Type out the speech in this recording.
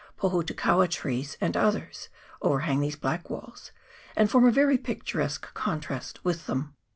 Pohutukaua trees and others overhang these black walls, and form a very picturesque contrast with them.